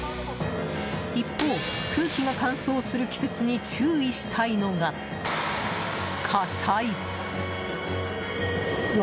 一方、空気が乾燥する季節に注意したいのが、火災。